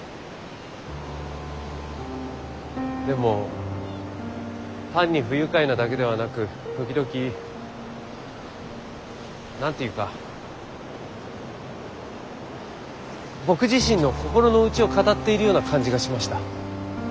でも単に不愉快なだけではなく時々何て言うか僕自身の心の内を語っているような感じがしました。